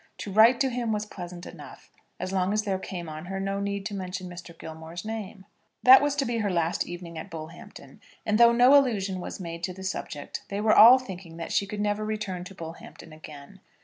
To write to him was pleasant enough, as long as there came on her no need to mention Mr. Gilmore's name. That was to be her last evening at Bullhampton; and though no allusion was made to the subject, they were all thinking that she could never return to Bullhampton again.